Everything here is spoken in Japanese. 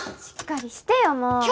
しっかりしてよもう。